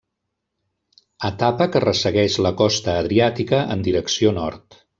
Etapa que ressegueix la costa adriàtica en direcció nord.